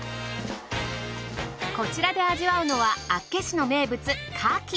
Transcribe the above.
こちらで味わうのは厚岸の名物牡蠣。